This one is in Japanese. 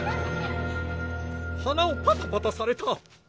鼻をパタパタされた！